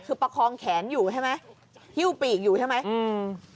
คือประคองแขนอยู่ใช่ไหมฮิ้วปีกอยู่ใช่ไหมอืม